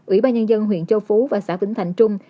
ủy ban nhân dân huyện châu phú và xã vĩnh thạnh trung